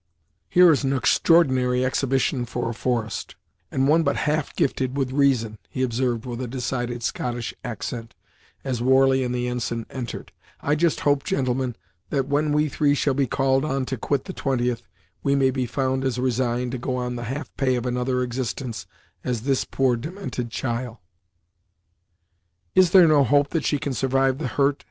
"Here is an extraordinary exhibition for a forest, and one but half gifted with reason," he observed with a decided Scotch accent, as Warley and the ensign entered; "I just hope, gentlemen, that when we three shall be called on to quit the 20th, we may be found as resigned to go on the half pay of another existence, as this poor demented chiel!" "Is there no hope that she can survive the hurt?"